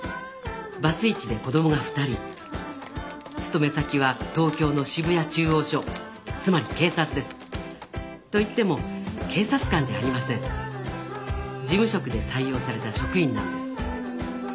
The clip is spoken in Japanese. バツイチで子どもが２人勤め先は東京の渋谷中央署つまり警察ですといっても警察官じゃありません事務職で採用された職員なんです